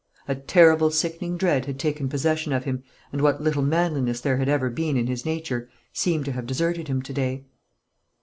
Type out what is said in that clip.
A terrible sickening dread had taken possession of him, and what little manliness there had ever been in his nature seemed to have deserted him to day.